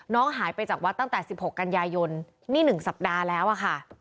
หายไปจากวัดตั้งแต่๑๖กันยายนนี่๑สัปดาห์แล้วอะค่ะ